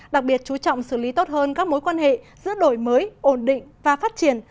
đặc biệt chú trọng xử lý tốt hơn các mối quan hệ giữa đổi mới ổn định và phát triển